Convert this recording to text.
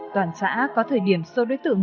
toàn xã có thời điểm sâu đối tượng